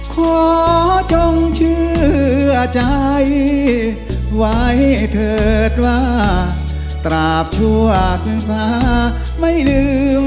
ขอจงเชื่อใจไว้เถิดว่าตราบชั่วขึ้นฟ้าไม่ลืมแฟนเพลง